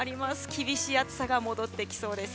厳しい暑さが戻ってきそうです。